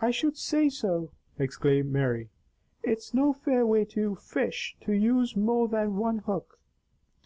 "I should say so!" exclaimed Mary. "It's no fair way to fish, to use more than one hook.